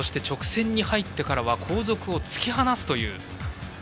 そして直線に入ってからは後続を突き放すという。